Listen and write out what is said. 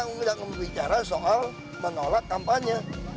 makanya dia nggak bicara soal menolak kampanye